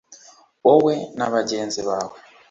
Wowe na bagenzi bawe